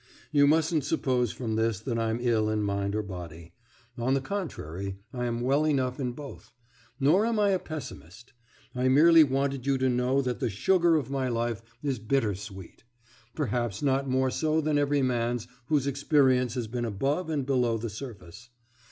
You mustn't suppose from this that I'm ill in mind or body: on the contrary, I am well enough in both; nor am I a pessimist. I merely wanted you to know that the sugar of my life is bitter sweet; perhaps not more so than every man's whose experience has been above and below the surface....